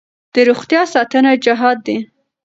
د روغتیا ساتنه جهاد دی.